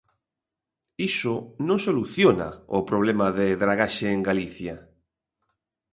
Iso non soluciona o problema de dragaxe en Galicia.